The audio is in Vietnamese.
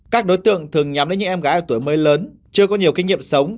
các đối tượng thường nhắm đến những em gái ở tuổi mới lớn chưa có nhiều kinh nghiệm sống